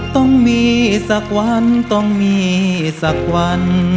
ต้องมีสักวันต้องมีสักวัน